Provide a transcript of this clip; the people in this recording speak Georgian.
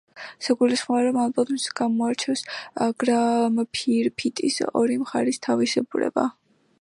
საგულისხმოა, რომ ალბომს გამოარჩევს გრამფირფიტის ორი მხარის თავისებურება.